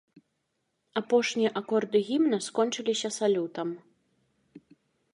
Апошнія акорды гімна скончыліся салютам.